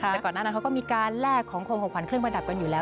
แต่ก่อนหน้านั้นเขาก็มีการแลกของคมของขวัญเครื่องประดับกันอยู่แล้ว